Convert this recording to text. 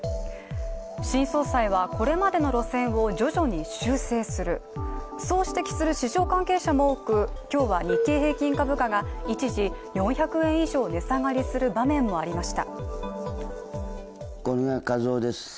新総裁はこれまでの路線を徐々に修正する、そう指摘する市場関係者も多く今日は日経平均株価が一時４００円以上値下がりする場面もありました。